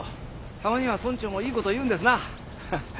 たまには村長もいいこと言うんですなアハハ。